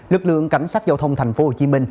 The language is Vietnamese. lực lượng cảnh sát giao thông tp hcm